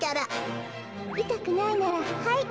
いたくないならはい。